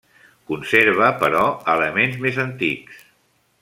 Conserva, però, elements més antics.